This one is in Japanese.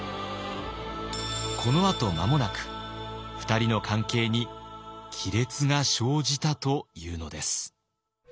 このあと間もなく２人の関係に亀裂が生じたというのです。